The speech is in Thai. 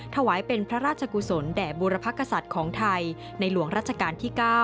ถวายเป็นพระราชกุศลแด่บูรพกษัตริย์ของไทยในหลวงรัชกาลที่๙